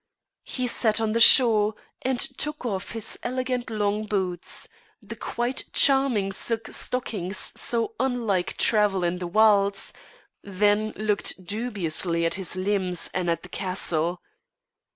He sat on the shore and took off his elegant long boots, the quite charming silk stockings so unlike travel in the wilds; then looked dubiously at his limbs and at the castle.